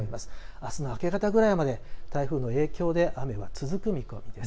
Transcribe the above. あすの明け方くらいまで台風の影響で雨は続く見込みです。